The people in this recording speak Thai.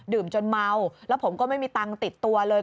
จนเมาแล้วผมก็ไม่มีตังค์ติดตัวเลย